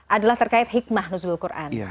adalah terkait hikmah nuzul quran